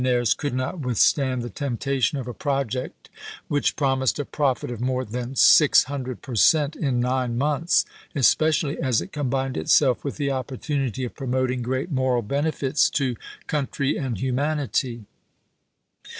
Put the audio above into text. aires could not withstand the temptation of a pro ject which promised a profit of more than six hundred per cent, in nine months, especially as it combined itself with the opportunity of promoting great moral benefits to country and humanity.